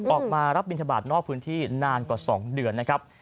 ออกมารับบินทบาทนอกพื้นที่นานกว่า๒เดือนนะครับ